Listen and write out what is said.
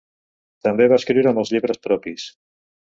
També va escriure molts llibres propis.